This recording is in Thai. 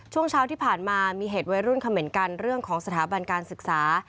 ช่วงเช้าที่ผ่านมามีเหตุวัยรุ่นเขม่นกันเรื่องของสถาบันการศึกษา